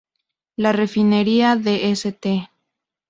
La refinería de St.